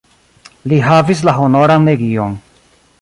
Li havis la Honoran legion.